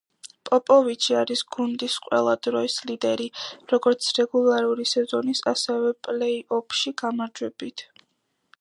პოპოვიჩი არის გუნდის ყველა დროის ლიდერი, როგორც რეგულარული სეზონის, ასევე პლეი-ოფში გამარჯვებებით.